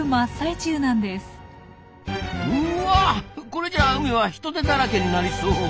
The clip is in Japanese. これじゃ海はヒトデだらけになりそう。